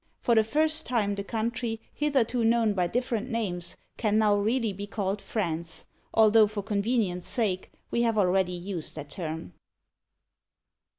For the first time the country, hitherto known by different names, can now really be called France, although for convenience' sake we have already used that term.